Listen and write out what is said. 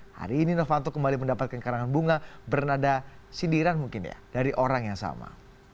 hari ini novanto kembali mendapatkan karangan bunga bernada sindiran mungkin ya dari orang yang sama